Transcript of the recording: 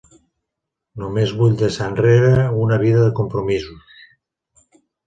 Només vull deixar enrere una vida de compromisos.